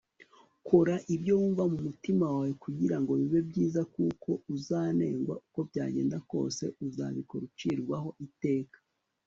kora ibyo wumva mumutima wawe kugirango bibe byiza - kuko uzanengwa uko byagenda kose uzabikora ucirwaho iteka